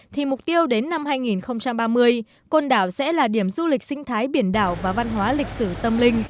thì mục tiêu đến năm hai nghìn ba mươi côn đảo sẽ là điểm du lịch sinh thái biển đảo và văn hóa lịch sử tâm linh